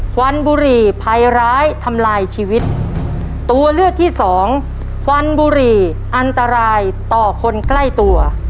ควันบุหรี่ภัยร้ายทำลายชีวิตตัวเลือกที่สองควันบุหรี่อันตรายต่อคนใกล้ตัว